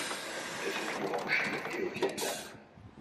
Elle se trouve en Chine et au Viêt Nam.